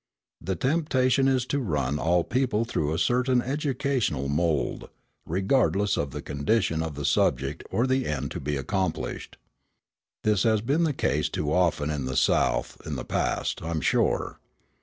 The temptation is to run all people through a certain educational mould, regardless of the condition of the subject or the end to be accomplished. This has been the case too often in the South in the past, I am sure.